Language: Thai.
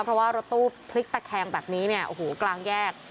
เพราะว่ารถตู้พลิกตะแคงแบบนี้เนี่ยโอ้โหกลางแยก